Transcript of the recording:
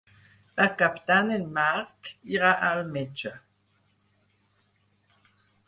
Per Cap d'Any en Marc irà al metge.